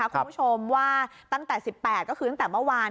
คุณผู้ชมว่าตั้งแต่๑๘ก็คือตั้งแต่เมื่อวาน